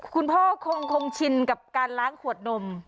คุณพ่อคงชินกับการล้างขวดนม